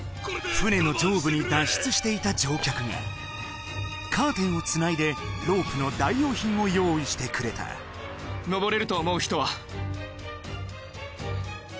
船の上部に脱出していた乗客がカーテンをつないでロープの代用品を用意してくれたのぼれると思う人は？